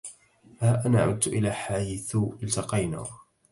ها أنا عدت إلى حيث التقينا